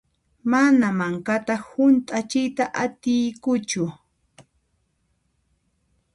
Mana mankata hunt'achiyta atiykuchu.